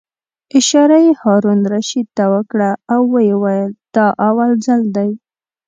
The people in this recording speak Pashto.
اشاره یې هارون الرشید ته وکړه او ویې ویل: دا اول ځل دی.